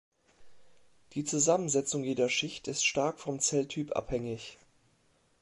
Die Zusammensetzung jeder Schicht ist stark vom Zelltyp abhängig.